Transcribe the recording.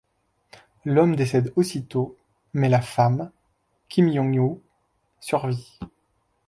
L'homme décède aussitôt, mais la femme, Kim Hyon-Hui, survit.